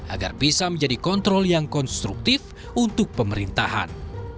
agar bisa menjadi kontrol yang konstruktif untuk pemerintahan